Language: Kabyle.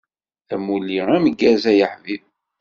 Amulli ameggaz ay aḥbib.